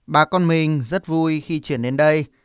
bà con mình rất vui khi chuyển đến đây